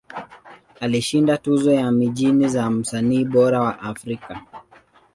Alishinda tuzo za mijini za Msanii Bora wa Afrika.